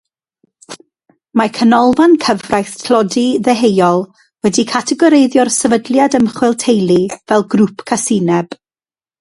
Mae Canolfan Cyfraith Tlodi Ddeheuol wedi categoreiddio'r Sefydliad Ymchwil Teulu fel grŵp casineb.